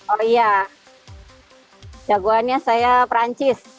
oh iya jagoannya saya perancis